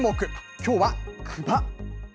きょうはクマ。